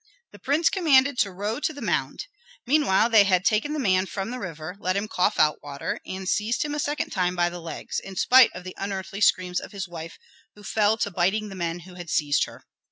The prince commanded to row to the mound. Meanwhile they had taken the man from the river, let him cough out water, and seized him a second time by the legs, in spite of the unearthly screams of his wife, who fell to biting the men who had seized her.